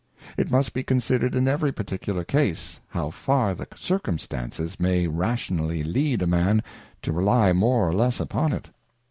It must be considered in every particular case, how far the Circumstances may rationally lead a Man to rely more or less upon it.